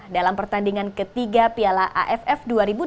dalam pertandingan ketiga piala aff dua ribu delapan belas